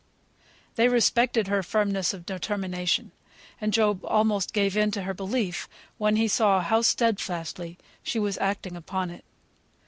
They respected her firmness of determination, and Job almost gave in to her belief, when he saw how steadfastly she was acting upon it.